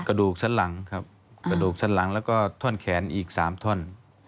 กระดูกชั้นหลังครับกระดูกสันหลังแล้วก็ท่อนแขนอีก๓ท่อน